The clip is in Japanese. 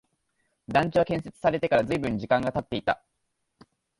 団地は建設されてから随分時間が経っていた